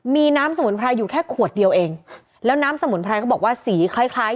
มีน้ำสมุนไพรอยู่แค่ขวดเดียวเองแล้วน้ำสมุนไพรเขาบอกว่าสีคล้ายคล้าย